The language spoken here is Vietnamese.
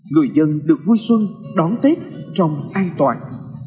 người dân được vui xuân đón tết trong an toàn